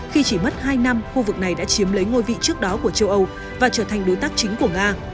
khi chỉ mất hai năm khu vực này đã chiếm lấy ngôi vị trước đó của châu âu và trở thành đối tác chính của nga